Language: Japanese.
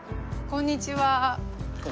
こんにちは。